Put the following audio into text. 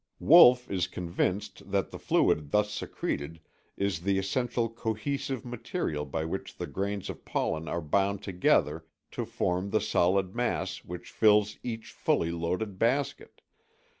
Wolff is convinced that the fluid thus secreted is the essential cohesive material by which the grains of pollen are bound together to form the solid mass which fills each fully loaded basket.